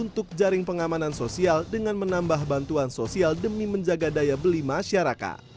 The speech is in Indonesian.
untuk jaring pengamanan sosial dengan menambah bantuan sosial demi menjaga daya beli masyarakat